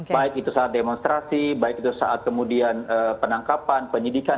baik itu saat demonstrasi baik itu saat kemudian penangkapan penyidikan